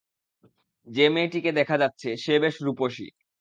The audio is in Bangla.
যে মেয়েটিকে দেখা যাচ্ছে, সে বেশ রুপসী।